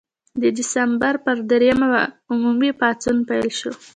د سپټمبر پر دریمه عمومي پاڅون پیل شو.